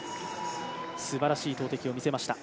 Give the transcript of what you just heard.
すばらしい投てきを見せました。